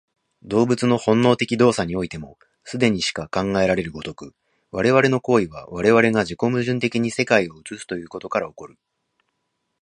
動物の本能的動作においても、既にしか考えられる如く、我々の行為は我々が自己矛盾的に世界を映すということから起こる。